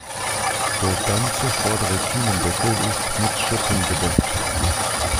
Der ganze vordere Kiemendeckel ist mit Schuppen bedeckt.